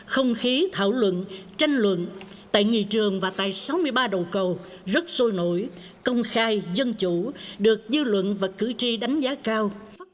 không khí thảo luận tranh luận tại nghị trường và tại sáu mươi ba đầu cầu rất sôi nổi công khai dân chủ được dư luận và cử tri đánh giá cao